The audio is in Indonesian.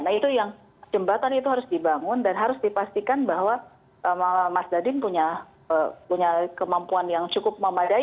nah itu yang jembatan itu harus dibangun dan harus dipastikan bahwa mas dadin punya kemampuan yang cukup memadai